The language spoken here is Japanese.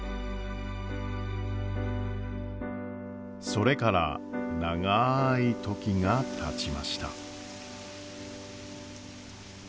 それから長い時がたちました。